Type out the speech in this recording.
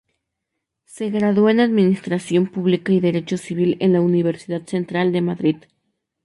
Se graduó en Administración Pública y Derecho Civil en la Universidad Central de Madrid.